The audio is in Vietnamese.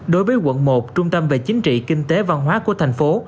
đối với quận một trung tâm về chính trị kinh tế văn hóa của thành phố